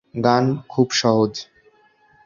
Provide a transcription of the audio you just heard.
গান খুব সহজ।